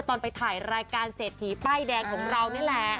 ตอนไปถ่ายรายการเศรษฐีป้ายแดงของเรานี่แหละ